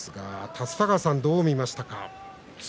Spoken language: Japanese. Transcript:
立田川さん、どう見ましたか？